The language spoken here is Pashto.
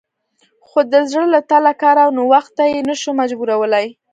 خو د زړه له تله کار او نوښت ته یې نه شو مجبورولی